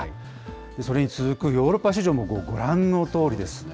それに続くヨーロッパ市場もご覧のとおりですね。